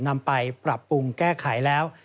นำไปปรับปรุงแก้ไขแล้ว